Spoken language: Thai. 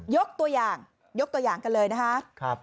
ยกตัวอย่างยกตัวอย่างกันเลยนะคะ